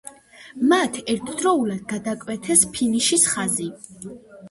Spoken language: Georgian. მათ ერთდროულად გადაკვეთეს ფინიშის ხაზი.